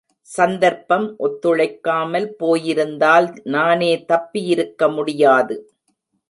சந்தர்ப்பம் ஒத்துழைக்காமல் போயிருந்தால் நானே தப்பியிருக்க முடியாது.